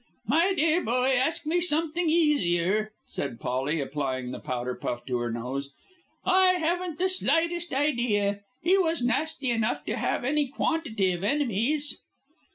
"My dear boy, ask me something easier," said Polly, applying the powder puff to her nose. "I haven't the slightest idea. He was nasty enough to have any quantity of enemies."